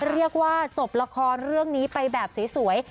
เรียกว่าจบละครเรื่องนี้ไปแบบสวย